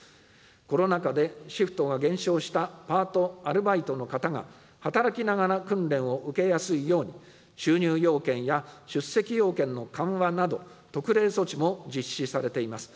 コロナ禍でシフトが減少したパート・アルバイトの方が、働きながら訓練を受けやすいように、収入要件や出席要件の緩和など、特例措置も実施されています。